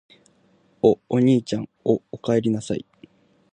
お、おにいちゃん・・・お、おかえりなさい・・・